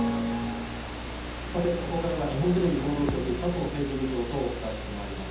さて、ここからは日本テレビ報道局、佐藤政治部長とお伝えしてまいります。